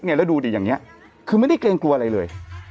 แล้วดูดิอย่างนี้คือไม่ได้เกรงกลัวอะไรเลย